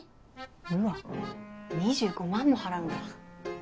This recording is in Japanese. うわ２５０，０００も払うんだ。